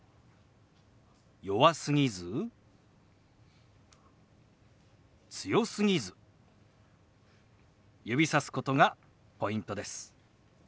弱すぎず強すぎず指さすことがポイントです。